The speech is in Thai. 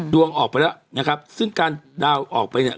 ดวงออกไปแล้วนะครับซึ่งการดาวน์ออกไปเนี่ย